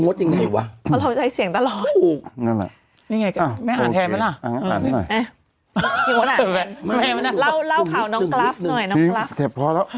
เงยไงวะว่าเราใช้เสียงตลอดู้นั่นแหละหนึ่งแหงเก๊แหม่งา